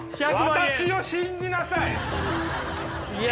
私を信じなさいいや